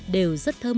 đều rất thơm